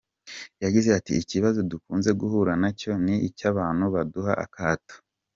Yagize ati ‘‘Ikibazo dukunze guhura nacyo ni icy’abantu baduha akato.